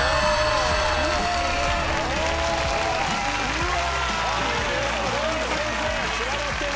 うわ！